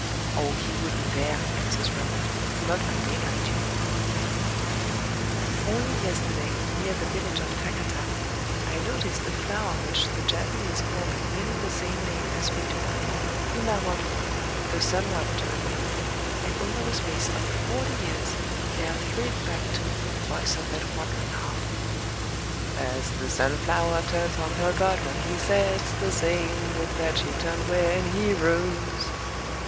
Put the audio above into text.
"Oh, he wouldn't dare," answers Robert—"not by daylight, you know."... [Only yesterday, near the village of Takata, I noticed a flower which the Japanese call by nearly the same name as we do: Himawari, "The Sunward turning;"—and over the space of forty years there thrilled back to me the voice of that wandering harper,— As the Sunflower turns on her god, when he sets, The same look that she turned when he rose.